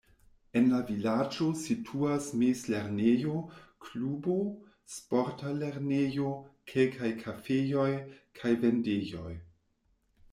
En la vilaĝo situas mezlernejo, klubo, sporta lernejo, kelkaj kafejoj kaj vendejoj.